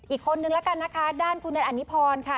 อีกคนนึงแล้วกันนะคะด้านคุณแอนอันนิพรค่ะ